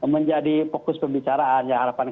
menjadi fokus pembicaraan ya harapan